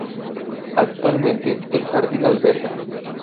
Actualmente el jardín alberga;